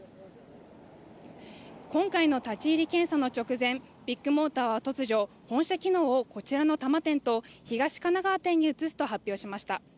今回の立ち入り検査の直前、ビッグモーターは突如本社機能をこちらの多摩店と東神奈川店に移すと発表しました。